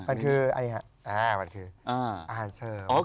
มันคือแอหารเสิร์ศ